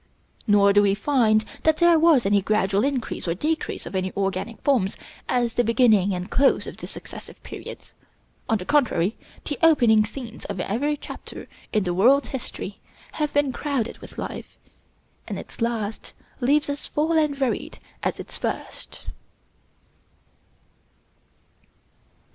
Nor do we find that there was any gradual increase or decrease of any organic forms at the beginning and close of the successive periods. On the contrary, the opening scenes of every chapter in the world's history have been crowded with life, and its last leaves as full and varied as its first.